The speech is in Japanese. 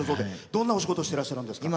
どんなお仕事してらっしゃるんですか？